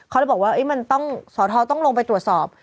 เขาเลยบอกว่าสอทต้องลงไปตรวจสอบ